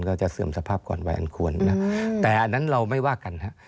จะเสื่อมสภาพก่อนวัยอันควรนะแต่อันนั้นเราไม่ว่ากันฮะ